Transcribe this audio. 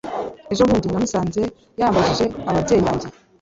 ejo bundi namusanze, yambajije ababyeyi banjye